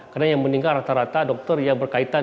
karena yang meninggal rata rata dokter yang berkaitan